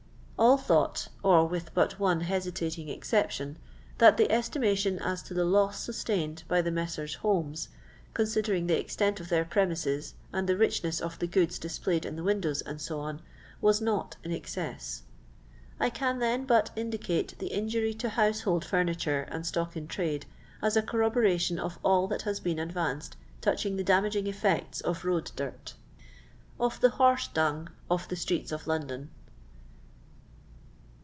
All thought, or with but one hesitating exception, that the esti mation as to the loss sustained by the Messrs. Holmes, considering the extent of their premises, and the richness of the goods displayed in the windows, &e., was not in excess. I can, then, but indicate the injury to household furniture and stock in tiade as a corroboration of all that has been advanced touching the damaging effSecte of road dirt Of THX HoBSS Duvo ov TBI Stbxxts of LOVDOV.